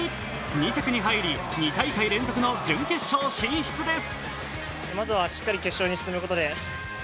２着に入り、２大会連続の準決勝進出です。